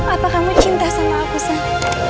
apa kamu cinta sama aku sih